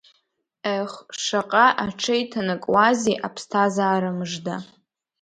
Ех, шаҟа аҽеиҭанакуазеи аԥсҭазаара мыжда…